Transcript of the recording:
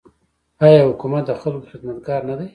آیا حکومت د خلکو خدمتګار نه دی؟